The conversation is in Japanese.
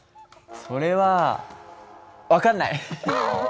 それは分かんない！